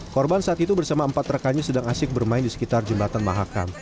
korban saat itu bersama empat rekannya sedang asyik bermain di sekitar jembatan mahakam